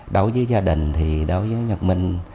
đối với gia đình thì đối với nhật minh